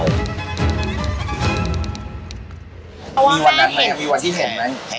เรา